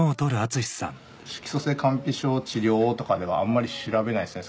「色素性乾皮症治療」とかではあんまり調べないですね